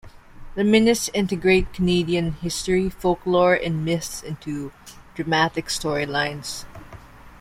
The "Minutes" integrate Canadian history, folklore and myths into dramatic storylines.